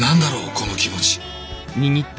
この気持ち。